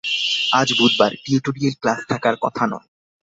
আজ বুধবার, tutorial class থাকার কথা নয়।